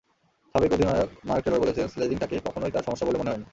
সাবেক অধিনায়ক Mark Taylor বলেছেন, স্লেজিংটাকে কখনোই তাঁর সমস্যা বলে মনে হয়নি।